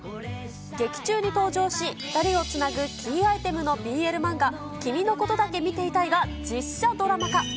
劇中に登場し、２人をつなぐキーアイテムのＢＬ漫画、君のことだけ見ていたいが実写ドラマ化。